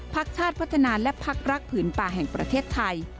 พักชาติพัฒนาและพักรักผืนป่าแห่งประเทศไทย